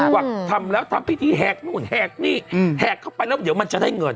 ว่าทำแล้วทำพิธีแหกนู่นแหกนี่แหกเข้าไปแล้วเดี๋ยวมันจะได้เงิน